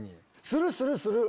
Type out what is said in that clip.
するするする。